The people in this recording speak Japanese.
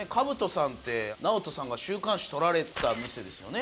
兜さんってナオトさんが週刊誌撮られた店ですよね？